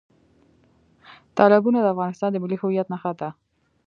تالابونه د افغانستان د ملي هویت نښه ده.